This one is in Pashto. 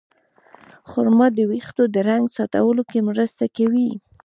خرما د ویښتو د رنګ ساتلو کې مرسته کوي.